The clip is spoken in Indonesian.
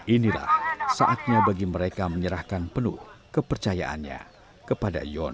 inilah saatnya bagi mereka menyerahkan penuh kepercayaannya kepada yon